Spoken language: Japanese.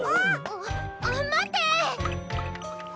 あっまって！